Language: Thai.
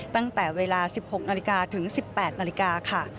ตั้งแต่เวลา๑๖นาฬิกาถึง๑๘นาฬิกาค่ะ